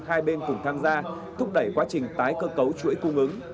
hai bên cùng tham gia thúc đẩy quá trình tái cơ cấu chuỗi cung ứng